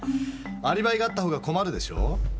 アリバイがあったほうが困るでしょう？